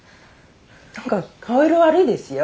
何か顔色悪いですよ。